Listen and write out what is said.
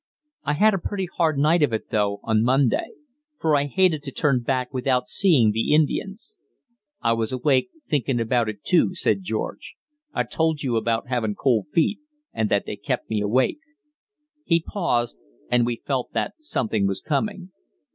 "I had a pretty hard night of it though, on Monday; for I hated to turn back without seeing the Indians." "I was awake thinkin' about it, too," said George. "I told you about havin' cold feet, and that they kept me awake." He paused, and we felt that something was coming.